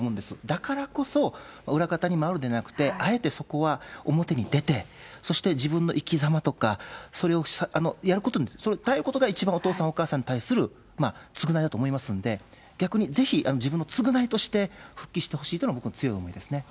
だからこそ、裏方に回るのではなくて、あえてそこは表に出て、そして自分の生きざまとか、それをやることによって、耐えることが、一番お父さん、お母さんに対する償いだと思いますんで、逆にぜひ自分の償いとして復帰してほしいと思いますね。